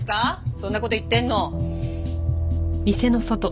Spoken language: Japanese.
そんな事言ってるの。